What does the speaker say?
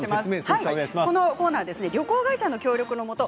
このコーナーは旅行会社の協力のもと